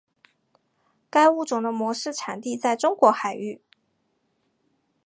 该物种的模式产地在中国海域。